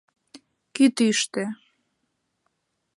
КӰТӰШТӦ